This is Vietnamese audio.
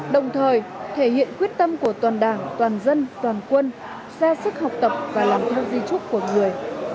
đồng thời thể hiện quyết tâm của toàn đảng toàn dân toàn quân ra sức học tập và làm theo di trúc của người